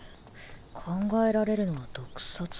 考えられるのは毒殺か。